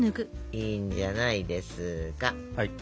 いいんじゃないですか。